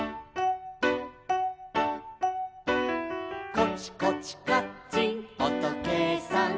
「コチコチカッチンおとけいさん」